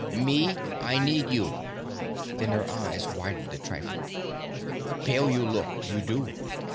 "Me, I need you." Then her eyes widened a trifle. "Pale you look, you do.